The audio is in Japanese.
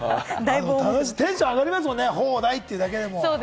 テンション上がりますもんね、放題っていうだけでも。